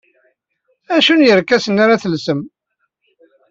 D acu n yerkasen ara telsem?